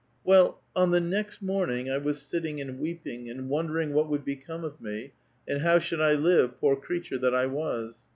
*' Well, on tlie next morning, I was sitting and weeping, and wondering what would become of me, and how should I live, poor creature that 1 was.